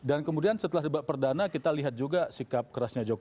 kemudian setelah debat perdana kita lihat juga sikap kerasnya jokowi